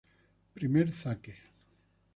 Primer Zaque.